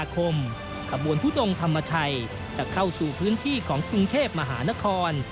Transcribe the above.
ขบวนทุดงธรรมชัยจะเข้าสู่พื้นที่ของกรุงเทพมหานคร